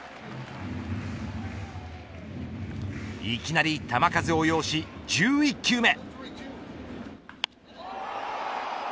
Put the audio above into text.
いきなり球数を要し１１球目。